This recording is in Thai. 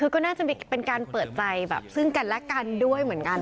ก็น่าจะเป็นความเปิดใจซึ้งกันและกันด้วยเหมือนกัน